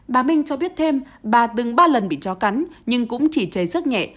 bà minh cho biết thêm bà từng ba lần bị chó cắn nhưng cũng chỉ chế sức nhẹ